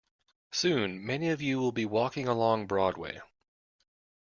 Soon many of you will be walking along Broadway.